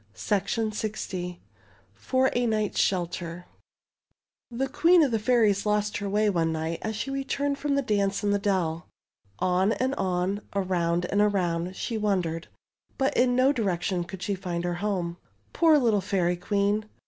—Bryant. i FOR A NIGHT'S SHELTER The Queen of the Fairies lost her way one night as she returned from the dance in the deU. On and on, around and around, she wan dered, but in no direction could she find her home. Poor little Fairy Queen!